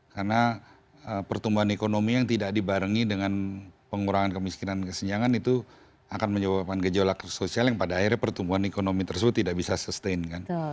karena pertumbuhan ekonomi yang tidak dibarengi dengan pengurangan kemiskinan dan kesenjangan itu akan menyebabkan gejolak sosial yang pada akhirnya pertumbuhan ekonomi tersebut tidak bisa sustain kan